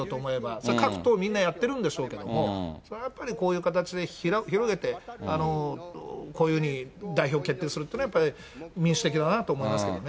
それは各党、みんなやってるんでしょうけれども、それはやっぱり、こういう形で広げて、こういうふうに代表決定するっていうのは、やっぱり民主的だなと思いますけどね。